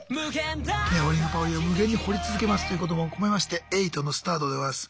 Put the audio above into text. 「ねほりんぱほりん」は無限に掘り続けますということも含めまして８のスタートでございます。